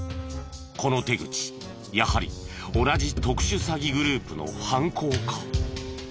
この手口やはり同じ特殊詐欺グループの犯行か？